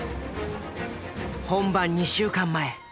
本番２週間前